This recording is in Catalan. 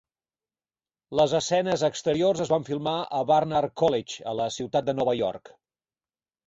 Les escenes exteriors es van filmar a Barnard College, a la ciutat de Nova York.